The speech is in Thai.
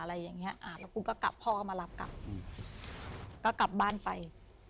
แล้วคุณก็กลับพ่อก็มารับกลับก็กลับบ้านไป